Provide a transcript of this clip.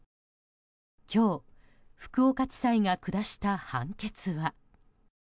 今日福岡地裁が下した判決は。